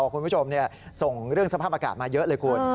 คุณผู้ชมส่งเรื่องสภาพอากาศมาเยอะเลยคุณ